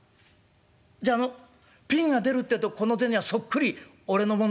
じゃあのピンが出るってえとこの銭はそっくり俺のもんだよ？